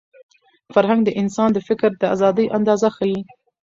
فرهنګ د انسان د فکر د ازادۍ اندازه ښيي.